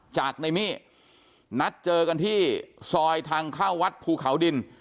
จากในมี่นัดเจอกันที่ซอยทางเข้าวัดภูเขาดิน